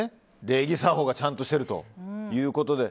礼儀作法がちゃんとしているということで。